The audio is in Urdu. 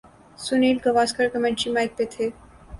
سنیل گواسکر کمنٹری مائیک پہ تھے۔